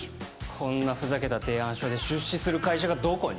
こんなふざけた提案書で出資する会社がどこに？